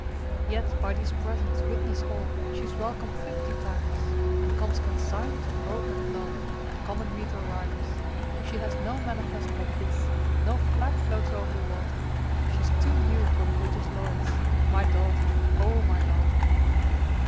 Yet by these presents witness all She's welcome fifty times, And comes consigned to Hope and Love And common meter rhymes. She has no manifest but this, No flag floats o'er the water, She's too new for the British Lloyds My daughter, O my daughter!